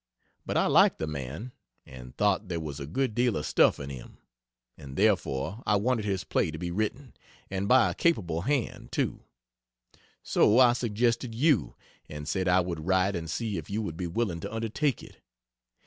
But I liked the man, and thought there was a good deal of stuff in him; and therefore I wanted his play to be written, and by a capable hand, too. So I suggested you, and said I would write and see if you would be willing to undertake it.